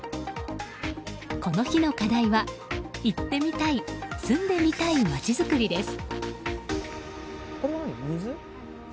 この日の課題は、行ってみたい住んでみたい町づくりです。